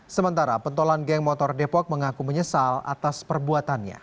sementara pentolan geng motor depok mengaku menyesal atas perbuatannya